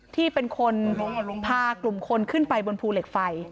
ที่เป็นคนพากลุ่มคนขึ้นไปบนภูเหล็กไฟ